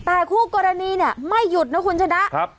แต่คู่กรณีเนี่ยไม่หยุดนะคุณชนะ